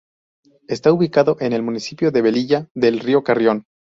Está ubicado en el municipio de Velilla del Río Carrión.